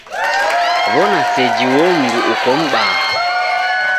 W'ona seji uo mundu uko m'baha!